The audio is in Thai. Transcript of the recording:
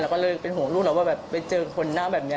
ก็เลยเป็นห่วงลูกเราว่าแบบไปเจอคนหน้าแบบนี้